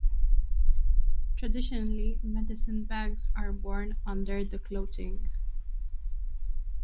Traditionally, medicine bags are worn under the clothing.